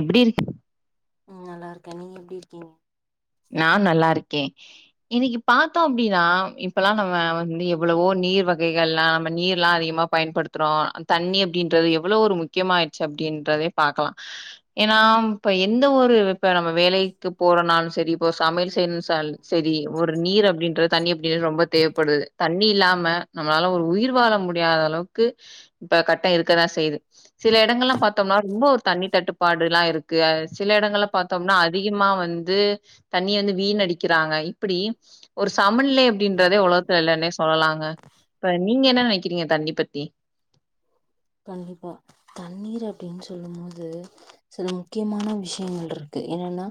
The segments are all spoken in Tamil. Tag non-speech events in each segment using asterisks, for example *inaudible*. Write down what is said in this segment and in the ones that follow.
எப்டி இருக்கு ம் நல்லா இருக்கே நீங்க எப்டி இருக்கீங்க நா நல்லா இருக்கே இன்னைக்கு பாத்தோம் அப்படின்னா இப்பல்லா நம்ம வந்து எவ்வளவோ நீர் வகைகள்ல்லா நம்ம நீர்லா அதிகமா பயன்படுத்துறோம் தண்ணி அப்படின்றது எவ்ளோ ஒரு முக்கியமாயிடுச்சு அப்படின்றதே பாக்கலா ஏன்னா இப்ப எந்த ஒரு இப்ப நம்ம வேலைக்கு போறோனாலு சரி ப்போ சமயல் டென் சால் சரி ஒரு நீர் அப்படின்றது தண்ணி அப்படினு ரொம்ப தேவப்படுது தண்ணி இல்லாம நம்மளால ஒரு உயிர் வாழ முடியாத அளவுக்கு இப்ப கட்ட இருக்கதா செய்யுது சில இடங்கள்ல்லா பாத்தோம்னா ரொம்ப ஒரு தண்ணி தட்டுப்பாடுல்லா இருக்கு அ சில இடங்கள்ல பாத்தோம்னா அதிகமா வந்து தண்ணிய வந்து வீணடிக்கிறாங்க இப்படி ஒரு சமநிலை அப்படின்றதே உலகத்துல இல்லனே சொல்லலாங்க இப்ப நீங்க என்ன நெனைக்கிறீங்க தண்ணி பத்தி கண்டிப்பா தண்ணீர் அப்படினு சொல்லும் போது சில முக்கியமான விஷயங்கள் ருக்கு என்னன்னா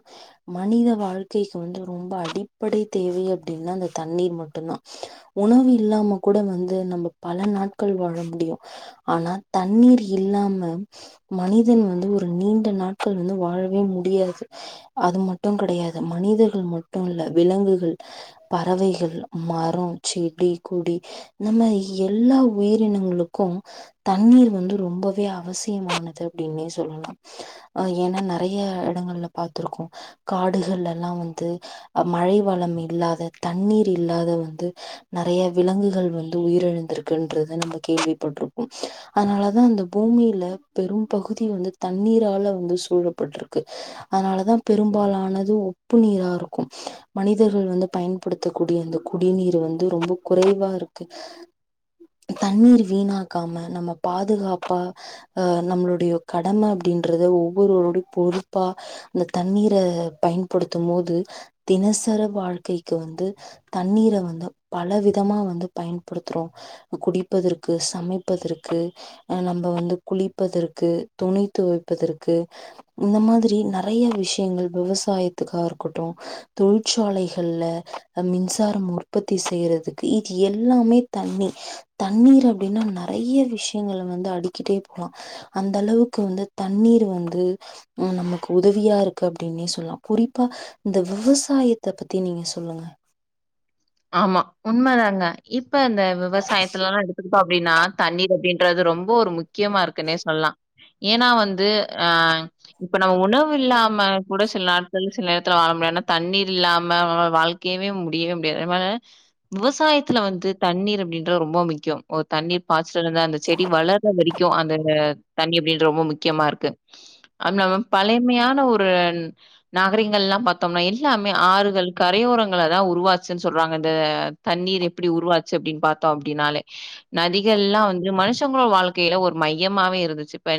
மனித வாழ்க்கைக்கு வந்து ரொம்ப அடிப்படை தேவை அப்படின்னா அந்த தண்ணீர் மட்டும்தா உணவு இல்லாம கூட வந்து நம்ம பல நாட்கள் வாழ முடியு ஆனா தண்ணீர் இல்லாம மனிதன் வந்து ஒரு நீண்ட நாட்கள் வந்து வாழவே முடியாது அது மட்டும் கெடையாது மனிதர்கள் மட்டும் இல்ல விலங்குகள் பறவைகள் மரெ செடி கொடி இந்த மாரி எல்லா உயிரினங்களுக்கு தண்ணீர் வந்து ரொம்பவே அவசியமானது அப்டின்னே சொல்லலா அ ஏனா நெறைய இடங்கள்ல பாத்திருக்கோ காடுகளெல்லா வந்து மழை வளம் இல்லாத தண்ணீர் இல்லாத வந்து நெறய விலங்குகள் வந்து உயிரிழந்திருக்குன்றது நம்ம கேள்விப்பட்றோப் அதனாலதா அந்த பூமியில பெரும் பகுதி வந்து தண்ணீரால வந்து சூழப்பட்டிருக்கு அதனாலதா பெரும்பாலானது உப்பு நீரா இருக்கு மனிதர்கள் வந்து பயன்படுத்தக்கூடிய அந்த குடிநீர் வந்து ரொம்ப குறைவா இருக்கு தண்ணீர் வீணா க்காம நம்ம பாதுகாப்பா ஆ நம்மளுடைய கடம அப்படின்றத ஒவ்வொரோருடய பொறுப்பா அந்த தண்ணீர பயன்படுத்தும் போது தினசர வாழ்க்கைக்கு வந்து தண்ணீர வந்து பலவிதமா வந்து பயன் படுத்துறோ இப்போ குடிப்பதற்கு சமை ப்பதற்கு நம்ப வந்து குளிப்பதற்கு துணி துவைப்பதற்கு இந்த மாதிரி நெறயா விஷயங்கள் விவசாயத்துக்கா இருக்கட்டு தொழிற்சாலைகள்ல மின்சாரம் உற்பத்தி செய்றதுக்கு இது எல்லாமே தண்ணி தண்ணீர் அப்டினா நெறைய விஷயங்கள் வந்து அடிக்கிட்டே போலா அந்த அளவுக்கு வந்து தண்ணீர் வந்து நமக்கு உதவியா இருக்கு அப்படின்னே சொல்லலா குறிப்பா இந்த விவசாயத்த பத்தி நீங்க சொல்லுங்க ஆமா உண்ம தாங்க இப் ப அந்த விவசாயத்துலல்லா எடுத்துகிட்டோ அப் அப்டினா தண்ணீர் அப்டின்றது ரொம்ப ஒரு முக்கியமா இருக்குன்னே சொல்லலா ஏனா வந்து ஆ இப்ப நம்ம உணவு இல்லாம கூட சில நாட்கள் சில நேரத்துல வாழ முடியும் தண்ணீ இல்லாம வாழ்க்கைவே முடியவே யாது *unintelligible* விவசாயத்துல வந்து தண்ணீர் அப்படின்ற ரொம்ப முக்கியொ ஒரு தண்ணீர் பாய் சொல்லுங்க அந்த செடி வளர வரைக் க்கு அந்தங்க தண்ணி அப்படின்றது ரொம்ப முக்கியமா இருக்கு அப் நம்ம பழைமையான ஒரு நகரங்கள் எல்லா பார்த்தோம்னா எல்லாமே ஆறுகள் கரையோரங்களதா உருவாச் ச்சுன் சொல்றாங்க இந்த தண்ணீர் எப்படி உருவாச்சு பாத்தோ அப்படின்னாலெ நதிகள்ல்லா வந்து மனுஷங்களோட வாழ்க்கையில ஒரு மையமாவே இருந்துச்சு இப்ப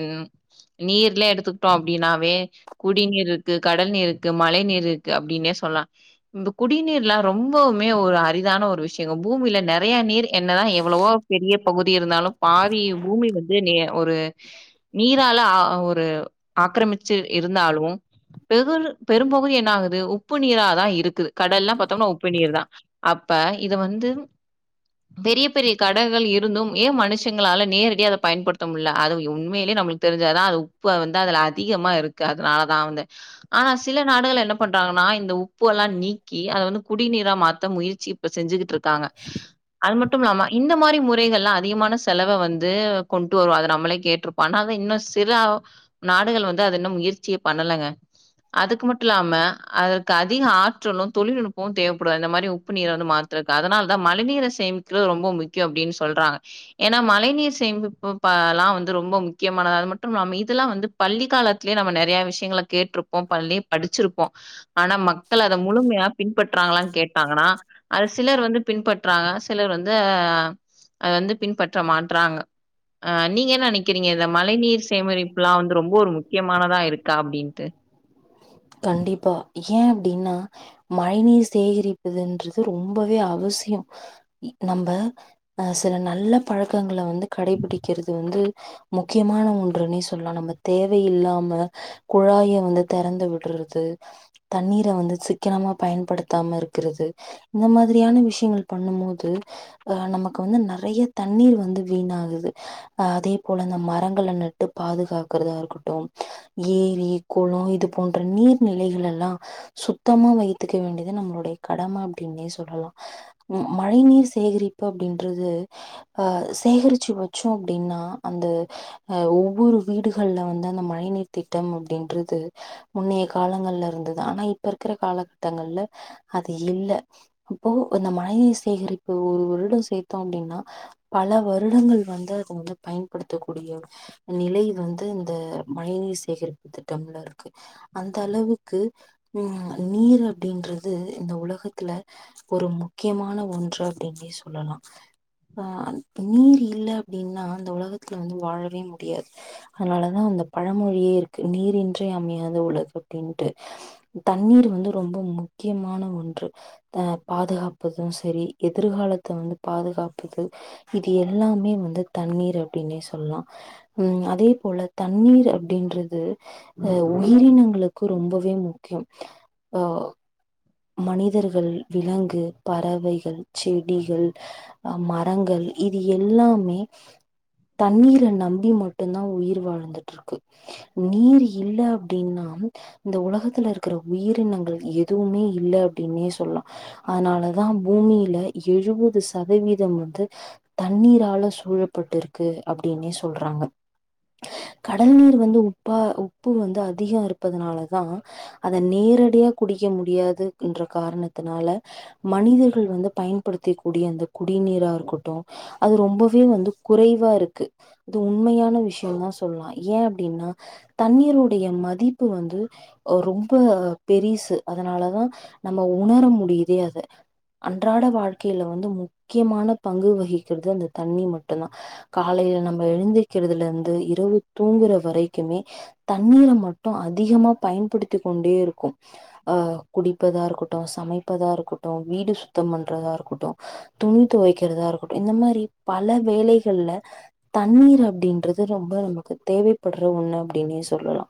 நீர்லே எடுத்துக்கிட்டோ அப்படின்னாவே குடிநீர் இருக்கு கடல் நீர் இருக்கு மழை நீர் இருக்கு அப்படின்னே சொல்லாம் இ குடிநீர்லாம் ரொம்பவுமே ஒரு அரிதான ஒரு விஷயொங்க பூமில நெறயா நீர் என்ன தா எவ்வளவோ பெரிய பகுதி இருந்தாலு பாதி பூமி வந்து நெ ஒரு நீரால ஒரு ஆக்கிரமிச்சு இருந்தாலும் பெகுரு பெரும்பகுதி என்ன ஆகுது உப்பு நீரா தா இருக்குது கடலாம் பாத்தோம்னா உப் தேதா அப்ப இத வந்து பெரியப் பெரிய கடகள் இருந்தும் ஏ மனுஷ ஷங்களால நேரடிய அத பயன்படுத்த முடில அது உண்மயிலே நம்மளுக்கு தெரிஞ்சாததுதா அது உப்பு வந்து அதுல அதிகமா இருக்கு அதுனாலதா வந்து ஆனா சில நாடுகள் என்ன பண் றாங்கன்னா இந்த உப்பு எல்லா நீக்கி அத வந்து குடிநீரா மாத்த முயற்சி இப்ப செஞ்சுக்கிட்டுருக் காங்க அது மட் மட்டுமில்லாம இந்த மாரி முறைகள்லா அதிகமான செலவ வந்து கொண்டு வரு அத நம்மளே கேட்டிருப்போ ஆனா அத இன்னு சில நாடுகள் வந்து அத இன்னு முயற்சியே பண்ணலங்க அதுக்கு மட்டும் இல்லாம அதற்கு அதிக ஆற்றலும் தொழில்நுட் பு தேவப்படுது அந்த மாரி உப்பு நீர வந்து மாத்தருக்கு அதனாலதா மழைநீர சேமிக்கிறது ரொம்ப முக்கியம் அப்படின்னு சொல்றாங்க ஏனா மழை நீர் சேமிப்புப்பலா வந்து ரொம்ப முக்கியமானது அது மட்டும் இல்லாம இதெல்லா வந்து பள்ளி காலத்திலயே நம்ம நெறயா விஷயங்களை கேட்டிருப்போ பள்ளியே படிச்சிருப்போ ஆனா மக்கள் அத முழுமையா பின்பற்றாங்களானு கேட்டாங்கன்னா அது சிலர் வந்து பின்பற்றறாங்க சிலர் வந்து அ அத வந்து பின்பற்ற மாட்டறாங்க அ நீங்க என்ன நினைக்கிறீங்க இத மழை நீர் சேமரிப்பு எல்லா வந்து ரொம்ப ஒரு முக்கியமானதா இருக்கா அப்டின்டு கண்டிப்பா ஏன் அப்டின்னா மழை நீீர் சேகரிப்பதுன்றது ரொம்பவே அவசியோ நம்ம அ சில நல்ல பழக்கங்கள வந்து கடைபிடிக்கிறது வந்து முக்கியமான ஒன்றுன்னே சொல்லா நம்ம தேவையில்லாம குழாய வந்து தெறந்து விடறது தண்ணீரை வந்து சிக்கனமா பயன்படுத்தாம இருக்கிறது இந்த மாதிரியான விஷயங்கள் பண்ணும் போது அ நமக்கு வந்து நெறய தண்ணீர் வந்து வீணாகுது அதே போல இந்த மரங்களை நட்டு பாதுகாக்கறதா இருக்கட்டு ஏரி குளம் இ இது போன்ற நீர் நிலைகள் எல்லா சுத்தமா வைத்துக்க வேண்டியது நம்மளுடைய கடம அப்டின்னே சொல்லலா மழை நீர் சேகரிப்பு அப்டின்றது அஹ சேகரிச்சு வச்சோ அப்டின்னா அந்த ஒவ்வொரு வீடுகள்ல வந்து அந்த மழை நீீர் திட்டம் அப்டின்றது முன்னைய காலங்கள்ல இருந்தது ஆனா இப்ப இருக்கிற காலகட்டங்கள்ல அது இல்ல அப்போ அந்த மழைநீர் சேகரிப்பு ஒரு வருடோ சேத்தோ அப்டின்னா பல வருடங்கள் வந்து அதுக்கு வந்து பயன்படுத்தக்கூடிய நிலை வந்து இந்த மழைநீர் சேகரிப்பு திட்டம்ல இருக் அந்த அளவுக்கு உம் நீர் அப்டின்றது இந்த உலகத்துல ஒரு முக்கியமான ஒன்று அப்டினே சொல்லலா ஆ நீர் இல்ல அப்டினா அந்த உலகத்துல வந்து வாழவே முடியாது அதுனாலதா அந்த பழமொழியே இருக்கு நீர் இ ன்றி அமையாத உலகு அப்டின்ட்டு தண்ணீர் வந்து ரொம்ப முக்கியமான ஒன்று அ பாதுகாப்பது சரி எதிர்காலத்த வந்து பாதுகாப்பது இது எல்லாமே வந்து தண்ணீர் அப்டின்னே சொல்லல உம் அதே போல தண்ணீர் அப்டின்றது அ உயிரினங்களுக்கு ரொம்பவே முக்கியம் அஹ் மனிதர்கள் விலங்கு பறவைகள் செடிகள் ஹ மரங்கள் இது எல்லாமே தண்ணீரை நம்பி மட்டும்தா உயிர் வாழ்ந்துட்டு இருக்கு நீர் இல்ல அப்டினா இந்த உலகத்துல இருக்கிற உயிரினங்கள் எதுவுமே இல் இல்ல அப்டினே சொல்லலா அதனாலதா பூமியில எழுபது சதவீதம் வந்து தண்ணீரால சூழப்பட்டுருக்கு அப்டின்னே சொல்றாங்க கடல் நீீர் வந்து உப்பா உப்பு வந்து அதிகம் இருப்பதுனாலதா அத நேரடியா குடிக்க முடியாது என்ற காரணத்தினால மனிதர்கள் வந்து பயன்படுத்தி கூடிய அந்த குடிநீரா இருக்கட்டு அது ரொம்பவே வந்து குறைவாருக்கு இது உண்மையான விஷயம்னு சொல்லலா ஏன் அப்டினா தண்ணீருடைய மதிப்பு வந்து ரொம்ப பெரிசு அதுனாலதா நம்ம உணர முடியுதே அது அன்றாட வாழ்க்கையில வந்து முக்கியமான பங்கு வகிக்கறது அந்த தண்ண மட்டுதா காலையில நம்ம எழுந்தக்கிறதுல இருந்து இரவு தூங்குற வரைக்குமே தண்ணீர மட்டும் அதிகமா பயன்படுத்தி கொண்டே இருக்கும் அ குடி தா இருக்கட்டு சமைப்பதா இருக்கட்டு வீடு சுத்தம் பண்றதா இருக்கட்டு துணி தொவைக்கிறதா இருக்கட்டு இந்த மாரி பல வேலைகள்ல தண்ணீர் அப்டின்றது ரொம்ப நமக்கு தேவைப்படுற ஒண்ணு அப்டினே சொல்லலா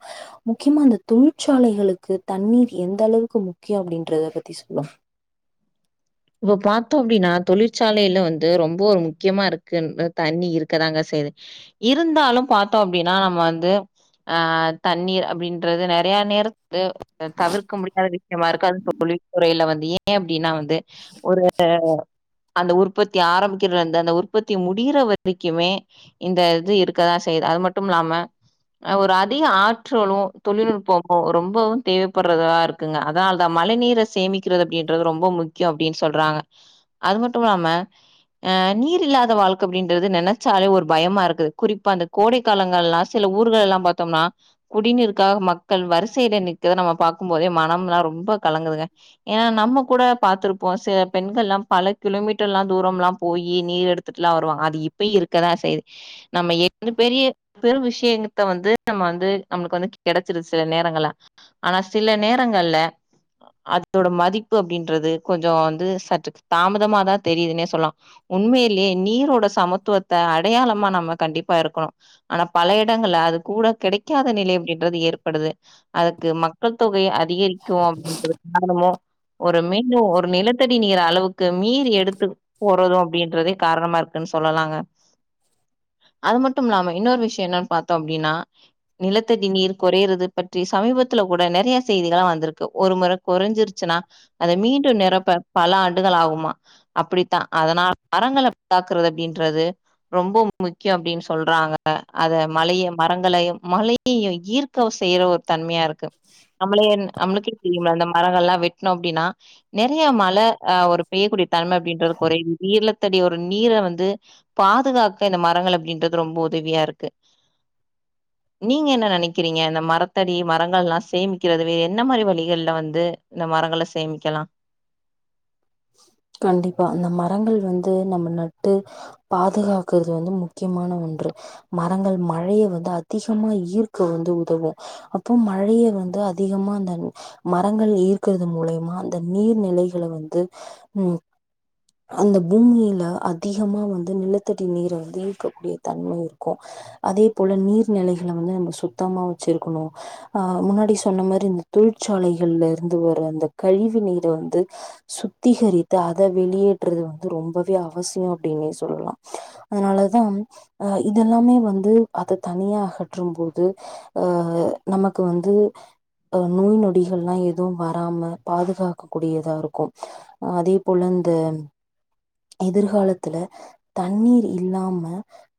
முக்கியமா அந்த தொழிற்சாலைகளுக்கு தண்ணீர் எந்த அளவுக்கு மு கே அப்டின்றத பத்தி சொல்லும் இப் பாத்தோ அப்டினா தொழிற்சாலையில வந்து ரொம்ப ஒரு முக்கியமா இருக்கு தண்ணிர் இருக்கதாங்க செய்து இருந்தாலு பாத்தோ அப்டினா நம்ம வந்து ஆஹ் தண்ணீர் அப்டின்றது நெறய நேர வந்து தவிர்க்க முடியாத விஷயமா இருக்கும் அது தொழில் துறையில வந்து ஏன் அப்டின்னா வந்து ஒரு அந்த உற்பத்தி ஆரம்பிக்கிறது வந்து அந்த உற்பத்தி முடிற வரைக்குமே இந்த இது இருக்கதா செய்யுது அது மட்டு இல்லாம ஹ் ஒரு அதிக ஆற்றலு தொழில்நுட்பமு ரொம்பவு தேவைப்படுறததா இருக்குங்க அதனால தா மழை நீரை சேமிக்கிறது அப்டின்றது ரொம்ப முக்கிய அப்டின்னு சொல்றாங்க அது மட்டும் இல்லாம ஆஹ் நீர் இல்லாத வாழ்க்க அப்டின்றது நெனைச்சாலே ஒரு பயமா இருக்குது குறிப்பா அந்த கோடை காலங்கள் எலாம் சில ஊர்கள் எல்லாம் பாத்தோம்னா குடிநீருக்காக மக்கள் வரிசையில நிற்கிறத நம்ம பாக்கும் போதே மனம்ல்லாம் ரொம்ப கலங்குதுங்க ஏன்னா நம்ம கூட பார்த்திருப்போ சில பெண்கள்லல்லா பல கிலோமீட்டர் எல்லா தூரம் எல்லா போய் நீர் எடுத்துட்டுலா வருவாங்க அது இப்ப இருக்கதா செய்து நம்ம எந்த பெரிய பெரு விஷயத்த வந்து நம்ம வந்து நம்மளுக்கு வந்து கெடைச்சிருது சில நேரங்கள்ல ஆனா சில நேரங்கள்ல அதோட மதிப்பு அப்டின்றது கொஞ்சோ வந்து சற்று தாமதமாதா தெரியுதுனே சொல்லா உண்மையிலேயே நீரோட சமத்துவத்தை அடையாளமா நம்ம கண்டிப்பா இருக்கணு ஆனா பல இடங்கள்ல அது கூட கிடைக்காத நிலை அப்டின்றது ஏற்படுது அதுக்கு மக்கள் தொகை அ அதிகரிக்கும் அப்டின்றது காரணமும் ஒருமே ஒரு நிலத்தடி நீரா ஆ அளவுக்கு நீர் எடுத்து போறதும் அப்டின்றதே காரணமா இருக்குன்னு சொல்லலாங்க அது மட்டு இல்லாம இன்னொரு விஷயம் என்னன்னு பாத்தோ அப்டின்னா நிலத்தடி நீர் குறையறது பற்றி சமீபத்துல கூட நெறைய செய்திகா வந்திருக்கு ஒரு முறை குறைஞ்சிருச்சுன்னா அத மீண்டும் நிரப்ப பல ஆண்டுகள் ஆகுமா அப்டித்தா அதனால மரங்களை காக்குறது அப்டின்றது ரொம்ப முக்கியம் அப்டின்னு சொல்றாங்க அத மழையை மரங்களையு மழையையு ஈர்க்க செய்யற ஒரு தன்மையா இருக்கு நம்ளே நம்மக்கே தெரியல *unintelligible* மரங்கள் எல்லா வெட்டணு அப்டின்னா நிறைய மழை அஹ் ஒரு பெய்யக்கூடிய தன்மை அப்டின்றது கொறை நீலத்தடி ஒரு நீரை வந்து பாதுகாக்க இந்த மரங்கள் அப்டின்றது ரொம்ப உதவியா இருக்கு நீங்க என்ன நெனைக்கிறீங்க இந்த மரத்தடி மரங்கள் எல்லா சேமிக்கிறது வே என்ன மாதிரி வழிகல வந்து இந்த மரங்களை சேமிக்க கெலா கண்டிப்பா அந்த மரங்கள் வந்து நம்ம நட்டு பாதுகாக்கறது வந்து முக்கியமான ஒன்று மரங்கள் மழையை வந்து அதிகமா ஈர்க்க வந்து உதவு அப்போ மழையை வந்து அதிகமா அந்த மரங்கள் ஈர்க்கறது மூலியமா அந்த நீர்நிலைகளை வந்து உஹம் அந்த பூமியில அதிகமா வந்து நிலத்தடி நீரை வந்து ஈர்கக்கூடிய தன்மை இருக்கு அதே போல நீர்நிலைகளை வந்து நம்ம சுத்தமா வச்சிருக்கணு ஆஹ் முன்னாடி சொன்ன மாரி இந்த தொழிற்சாலைகள்ல இருந்து வர அந்த கழிவு நீரை வந்து சுத்திகரித்து அத வெளியேற்றறது வந்து ரொம்பவே அவசிய அப்டின்னே சொல்லலா அதனாலதா அஹ் இதெல்லாமே வந்து அத தனியா அகற்று போது அஹ் நமக்கு வந்துஹ நோய் நொடிகள்லா எதுவு வராம பாதுகாக்கக்க கூடியதா இருக்கு அதே போல இந்த எதிர்காலத்துல தண்ணீர் இல்லாம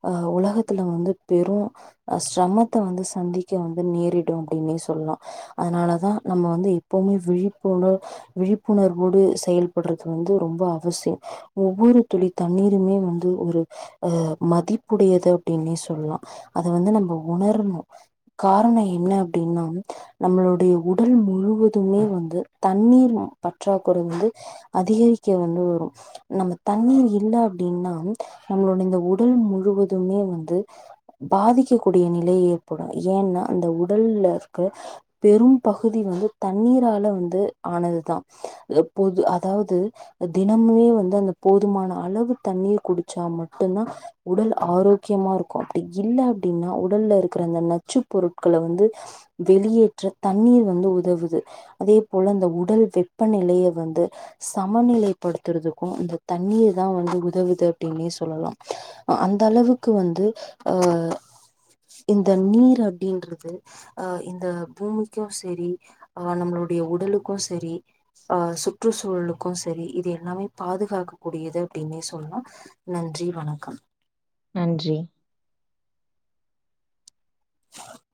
அஹ் உலகத்துல வந்து பெரும் ஹ் சிரமத்தை வந்து சந்திக்க வந்து நேரிடும் அப்டின்னே சொல்லலா அதனாலதா நம்ம வந்து எப்பவுமே விழிப்புணர் விழிப்புணர்வு டு செயல்படுறது வந்து ரொம்ப அவசிய ஒவ்வொரு துளி தண்ணீருமே வந்து ஒரு அஹ மதிப்புடையது அப்டின்னே சொல்லலா அத வந்து நம்ம உணரணு காரணோ என்ன அப்டின்னா நம்மளுடைய உடல் முழுவதுமே வந்து தண்ணீர் பற்றாக்குறை வந்து அதிகரிக்க வந்து வரு நம்ம தண்ணீர் இல்ல அப்டின்னா நம்மளுோடைய இந்த உடல் முழுவதுமே வந்து பாதிக்கக்கூடிய நிலை ஏற்படும் ஏன்னா அந்த உடல்லல இருக்க பெரும் பகுதி வந்து தண்ணீரால வந்து ஆனதுதா அ பொது அதாவது தினமுமே வந்து அந்த போதுமான அளவு தண்ணீர் குடிச்சா மட்டும்தா உடல் ஆரோக்கியமா இருக்கு அப்டி இல் அப்டின்னா உடல்ல இருக்கிற அந்த நச்சு பொருட்களை வந்து வெளியேற்ற தண்ணீர் வந்து உதவுது அதே போல அந்த உடல் வெ வெப்பநிலையை வந்து சமநிலைப்படுத்துறதுக்கு இந்த தண்ணீர் த வந்து உதவுது அப்டின்னே சொல்லலா அந்த அளவுக்கு வந்து அஹ் இந்த நீர் அப்டின்றது அஹ் இந்த பூமிக்கு செரி அஹ் நம்மளுடைய உடலுக்கு செரி அஹ் சுற்றுச்சூழலுக்கு செரி இது எல்லாமே பாதுகாக்கக்க கூடியது அப்டின்னே சொல்லலா நன்றி வணக்கம் நன்றி ஆ